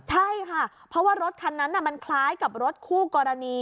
ใช่ค่ะเพราะว่ารถคันนั้นมันคล้ายกับรถคู่กรณี